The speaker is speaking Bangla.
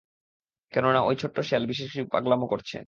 কেননা ওই ছোট্ট শেয়াল কিছু বিশেষ পাগলামো করছে।